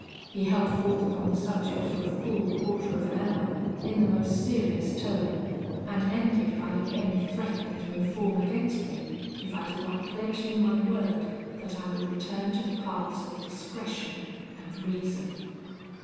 He held forth upon the subject for a full quarter of an hour, in the most serious tone, and ended by again threatening to inform against me, if I did not pledge him my word that I would return to the paths of discretion and reason.